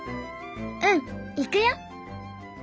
うんいくよ。